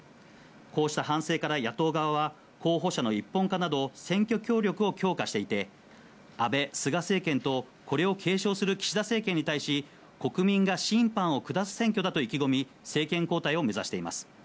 こうした反省から、野党側は、候補者の一本化など、選挙協力を強化していて、安倍・菅政権と、これを継承する岸田政権に対し、国民が審判を下す選挙だと意気込み、政権交代を目指しています。